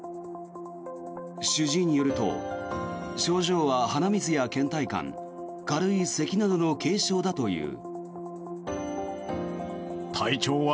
主治医によると症状は鼻水や、けん怠感軽いせきなどの軽症だという。